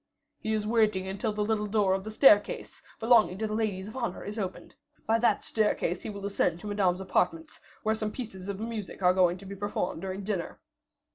"He is waiting until the little door of the staircase, belonging to the ladies of honor, is opened; by that staircase he will ascend to Madame's apartments, where some new pieces of music are going to be performed during dinner."